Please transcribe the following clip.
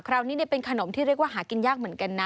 คราวนี้เป็นขนมที่เรียกว่าหากินยากเหมือนกันนะ